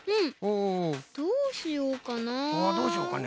あどうしようかね